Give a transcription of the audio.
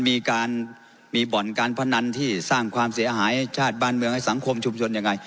มันมีบ่อนการพนันที่สร้างความเสียหายชาติบ้านเมืองสังคมชุมชนอย่างไร